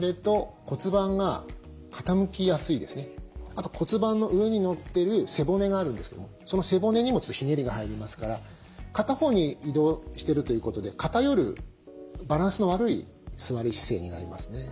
あと骨盤の上にのってる背骨があるんですけどもその背骨にもちょっとひねりが入りますから片方に移動してるということで偏るバランスの悪い座り姿勢になりますね。